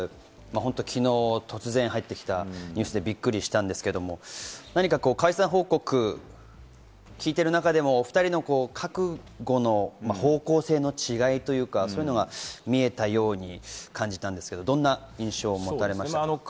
昨日突然入ってきたニュースでびっくりしたんですけれども、何か解散報告聞いている中でも２人の覚悟の方向性の違いというものが見えたように感じたんですけれど、どんな印象を持たれましたか？